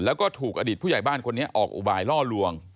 แล้วก็ถูกอดีตผู้ใหญ่บ้านคนนี้ออกอุบายล่อลวง